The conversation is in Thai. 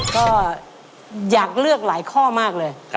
ก็อยากเลือกหลายข้อมากเลย